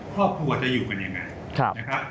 ครอบครัวจะอยู่กันยังไงนะครับ